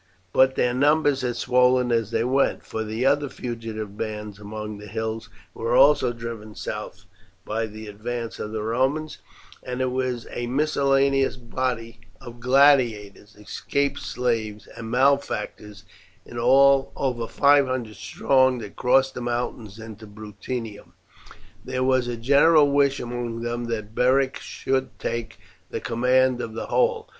But their numbers had swollen as they went, for the other fugitive bands among the hills were also driven south by the advance of the Romans, and it was a miscellaneous body of gladiators, escaped slaves, and malefactors, in all over five hundred strong, that crossed the mountains into Bruttium. There was a general wish among them that Beric should take the command of the whole.